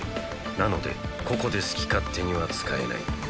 なので個々で好き勝手には使えない。